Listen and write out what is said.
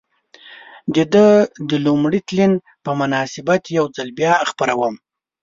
د ده د لومړي تلین په مناسبت یو ځل بیا خپروم.